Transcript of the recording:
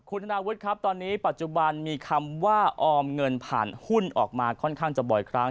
คุณธนาวุฒิครับตอนนี้ปัจจุบันมีคำว่าออมเงินผ่านหุ้นออกมาค่อนข้างจะบ่อยครั้ง